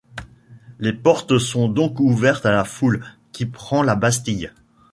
Les portes sont donc ouvertes à la foule, qui prend la Bastille.